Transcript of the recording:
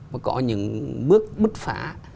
mà có những bước bứt phá